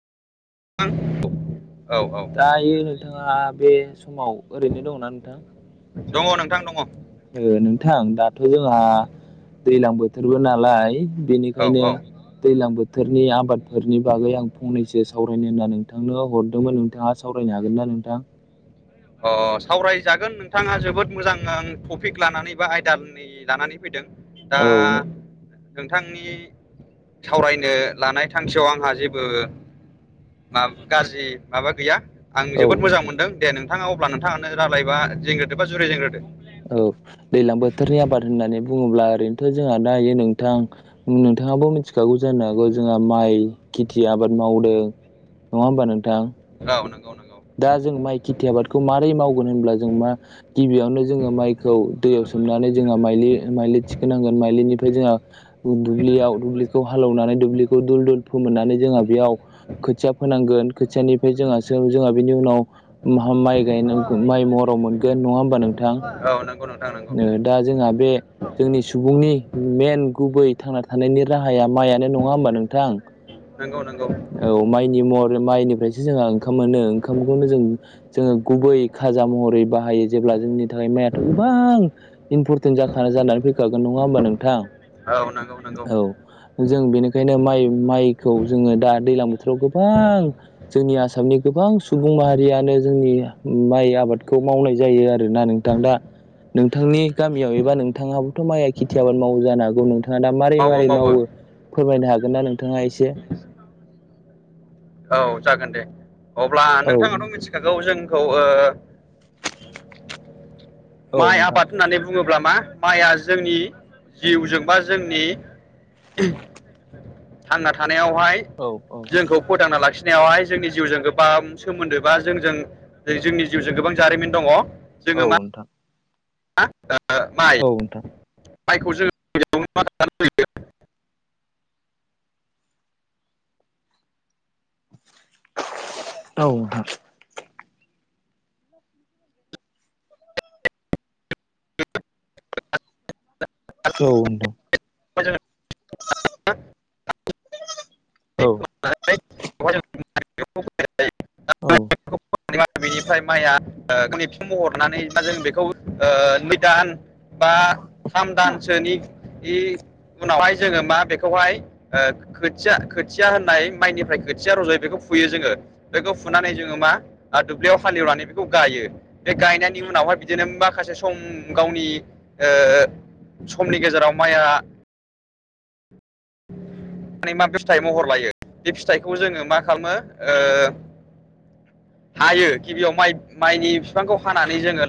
[unintelligible] औ [unintelligible] दायो नोंथाङा बे समाव ओरैनो दङना नोंथां। दङ नोंथां दङ। नोंथां दाथ' जोंहा दैलां बोथोरबो नालाय। बेनिखायनो औ दैलां बोथोरनि आबादफोरनि बागै आं फंनैसो सा सावरायनो होनना नोंथांनो हरदोंमोन नोंथाङा सावरायनो हागोन ना नोंथां। अ सावरायजागोन नोंथाङा जोबोद मोजां टपिक लानानै बा आयदानि लानानै फैदों। दा। औ नोंथांनि सावरायनो लानाय थांखियाव आंहा जेबो। मा गाज्रि माबा गैया। आं औ जोबोद मोजां नोंथां मोनदों दे नोंथाङा अब्ला नोंथाङानो रालायबा जेनग्रोदो बा जुरि जेनग्रोदो। औ दैलां बोथोरनि आबाद होननानै बुङोब्ला। ओरैनोथ' जोंहा दायो नोंथां नोंथांआबो मिथिखागौ जानो हागौ जोंहा माइ खेथि आ आबाद मावदों नङा होमबा नोंथां? औ नंगौ नंगौ दा जों माइ खेथि आबादखौ मारै माव? गोन होनब्ला जों मा गिबियावनो जोङो माइखौ दैयाव सोमनानै जोंहा मा-माइलि थिखोनांगोन। माइलिनिफ्राय जोंहा दुब्लियाव दुब्लिखौ हालेवनानै दुब्लिखौ दुल दुल फोमोननानै जोंहा बेयाव, खोथिया फोनांगोन खोथियानिफ्राय जोङा जों बेनि उनाव माइ गायनो माइ महराव मोनगोन नङा होमबा नोंथां? औ नंगौ नोंथां नंगौ ओ-दा जोंहा। बे जोंनि सुबुंनि मेन गुबै थांना थानायनि राहाया माइयानो नङा होमबा नोंथां? नंगौ नंगौ। औ माइनि महर माइनिफ्रायसो जोंहा ओंखाम मोनो ओंखामखौनो जों जोङो गुबै खाजा महरै। बाहायो जेब्ला जोंनि थाखाय माइयाथ' गोबां इम्परटेन्ट जाखाना जानानै फैखागोन नङा होमबा नोंथां? औ नंगौ नगौ। औ जों बेनिखायनो माइ-माइखौ जोङो। दा दैलां बोथोराव गोबां जोंनि आसामनि गोबां सुबुं माहारियानो जोंनि आबादखौ मावनाय जायो आरोना नोंथां दा नोंथांनि गामियाव एबा नोंथाङाबोथ' माइया खेथि आबाद मावो जानो हागौ नोंथां नोंथाङा दा मारै मारै मावो फोरमायनो हागोन ना नोंथाङा एसे औ जागोन दे अब्ला औ नोंथाङाथ' मिथिखागौ जोंखौ औ माइ नोंथां आबाद होननानै बुङो अ मा माइआ जोंनि जिउजों बा जोंनि थांना थानायावहाय औ औ जोंखौ फोथांना लाखिनो नायावहाय जोंनि जिउजों गोबां सोमोन्दो बा जोंजों जोंनि जिउजों गोबां जारिमिन दङ जोङो औ मा उथां ओ, माइ माइखौ जोंनो [unintelligible] औ नोंथां औ नोंथां [unintelligible] औ जोङो [unintelligible] औ बिनिफ्राय माइया गावनि बिफां महर मोननानै मा जों बेखौ नै दान बा थाम दानसोनि उनावहाय जोङो मा बेखौहाय खोथिया खोथिया होननाय माइनिफ्राय खोथिया रज' बेखौ फुयो जोङो बेखौ फुनानै जोङो मा आरो दुब्लियाव हालेवनानै बेखौ गायो बे गायनायनि उनावहाय बिदिनो माखासे सम गावनि समनि गेजेराव माइया ज माने मा फिथाइ महर लायो बे फिथाइखौ जोङो मा खालामो [inaudible] हायो गिबियाव माइ माइनि बिफांखौ हानानै जोङो